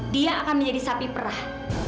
dia akan menjadi sapi perah